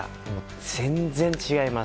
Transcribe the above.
全然、違います。